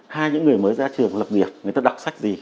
hai những người mới ra trường lập việc người ta đọc sách gì